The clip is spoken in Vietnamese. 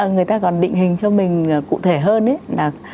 người ta còn định hình cho mình cụ thể hơn